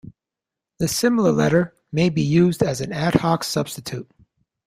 The similar letter may be used as an ad-hoc substitute.